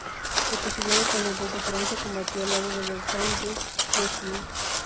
Reconciliado con el rey de Francia, combatió al lado de Bertrand du Guesclin.